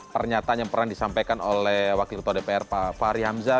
pernyataan yang pernah disampaikan oleh wakil ketua dpr pak fahri hamzah